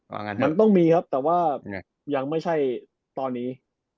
มันต้องมีครับแต่ว่ายังไม่ใช่ตอนนี้